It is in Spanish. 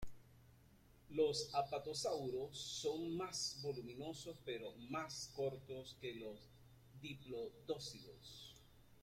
Los apatosaurus son más voluminosos pero más cortos que los diplodócidos.